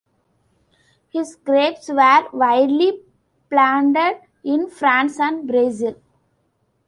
His grapes were widely planted in France and Brazil.